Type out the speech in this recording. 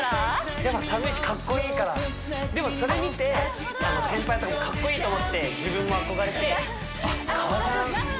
やっぱ寒いしかっこいいからでもそれ見て先輩達かっこいいと思って自分も憧れてあっ塚田さん